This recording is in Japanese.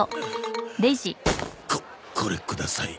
ここれください。